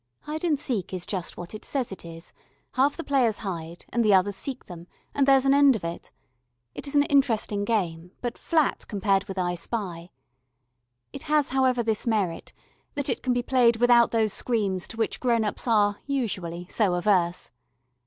Hide and seek is just what it says it is; half the players hide, and the others seek them and there's an end of it. It is an interesting game, but flat compared with "I spy." It has, however, this merit, that it can be played without those screams to which grown ups are, usually, so averse.